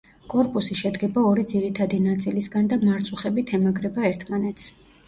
კორპუსი შედგება ორი ძირითადი ნაწილისგან და მარწუხებით ემაგრება ერთმანეთს.